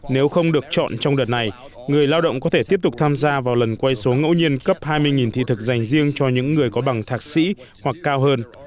nếu không được chọn trong đợt này người lao động có thể tiếp tục tham gia vào lần quay số ngẫu nhiên cấp hai mươi thị thực dành riêng cho những người có bằng thạc sĩ hoặc cao hơn